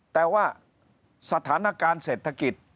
แต่ว่าสถานการณ์เศรษฐกิจ